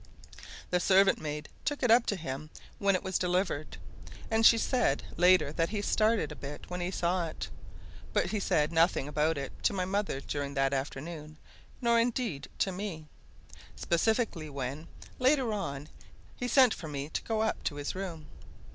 The servant maid took it up to him when it was delivered, and she said later that he started a bit when he saw it. But he said nothing about it to my mother during that afternoon, nor indeed to me, specifically, when, later on, he sent for me to go up to his room.